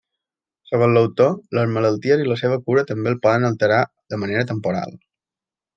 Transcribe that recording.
Segons l’autor, les malalties i la seva cura també el poden alterar de manera temporal.